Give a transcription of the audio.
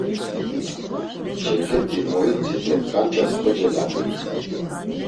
Çeǩet̆i moitzi do ǩanças kocelabi.